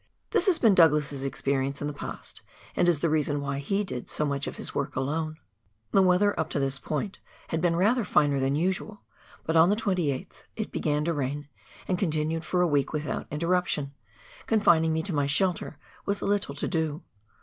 This has been Douglas's expe rience in the past, and is the reason why he did so much of his work alone. The weather up to this point had been rather finer than usual, but on the 28th it began to rain, and continued for a week without interruption, confining me to my shelter, with little to do.